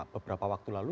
beberapa waktu lalu